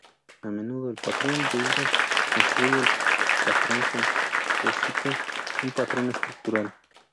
A menudo, el patrón builder construye el patrón Composite, un patrón estructural.